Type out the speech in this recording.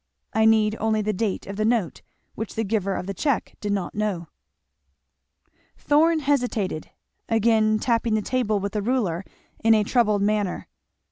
I need only the date of the note, which the giver of the cheque did not know." Thorn hesitated, again tapping the table with the ruler in a troubled manner.